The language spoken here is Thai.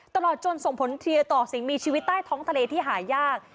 ตลอดจนส่งผลทีต่อสิ่งมีชีวิตใต้ท้องทะเลที่หายาก